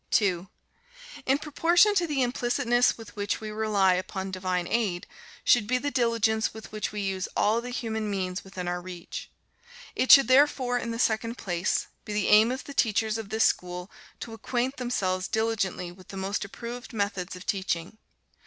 2. In proportion to the implicitness with which we rely upon divine aid, should be the diligence with which we use all the human means within our reach. It should therefore, in the second place, be the aim of the teachers of this school to acquaint themselves diligently with the most approved methods of teaching.